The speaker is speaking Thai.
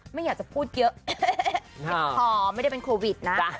ไม่อยากจะพูดเยอะผิดคอไม่ได้เป็นโควิดนะ